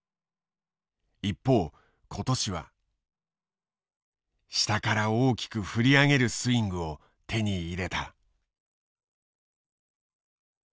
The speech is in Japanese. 一方今年は下から大きく振り上げるスイングを手に入れた。